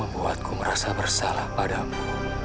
membuatku merasa bersalah padamu